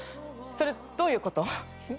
それどういうこと？